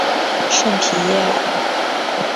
圣皮耶尔。